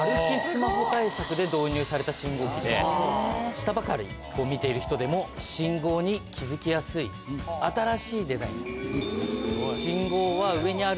で導入された信号機で下ばかり見ている人でも信号に気付きやすい新しいデザインです。